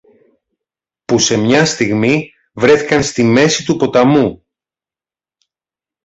που σε μια στιγμή βρέθηκαν στη μέση του ποταμού